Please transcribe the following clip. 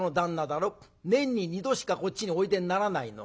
だろ年に２度しかこっちにおいでにならないの。